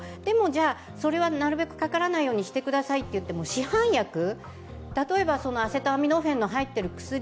じゃそれはなるべくかからないようにしてくださいといっても市販薬、例えばアセトアミノフェンの入っている薬